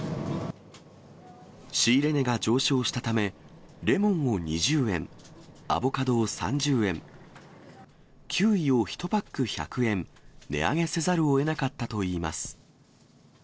仕入れ値が上昇したため、レモンを２０円、アボカドを３０円、キウイを１パック１００円、値上げせざるをえなかったといいます。